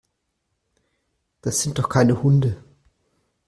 Das sind doch keine Hunde.